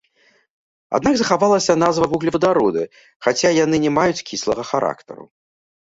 Аднак захавалася назва вуглевадароды, хаця яны не маюць кіслага характару.